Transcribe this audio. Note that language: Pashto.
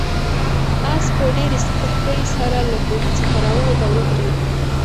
آس په ډېرې سپکۍ سره له کوهي څخه راووت او ودرېد.